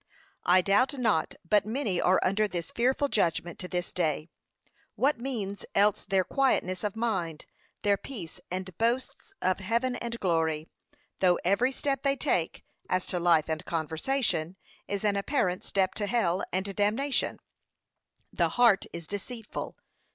I doubt not but many are under this fearful judgment to this day. What means else their quietness of mind, their peace and boasts of heaven and glory, though every step they take, as to life and conversation, is an apparent step to hell and damnation, 'The heart is deceitful.'